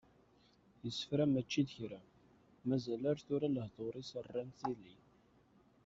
Yessefra mačči d kra, mazal ar tura, lehdur-is rran tili.